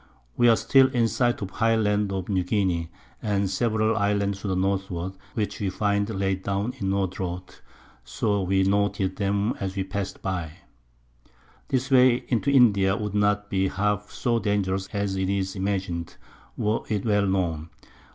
We are still in sight of the High Lands of New Guinea, and several Islands to the Northward, which we find laid down in no Draught, so we noted them as we past by. This Way into India would not be half so dangerous as it is imagined, were it well known.